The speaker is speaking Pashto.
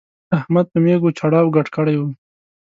احمد په مېږو چړاو ګډ کړی وو.